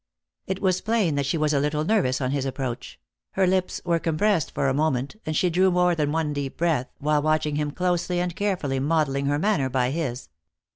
It was plain that she was a little nervous on his approach; her lips were compressed for a moment, and she drew more than one deep breath, while watching him closely, arid carefully modeling her. manner by his.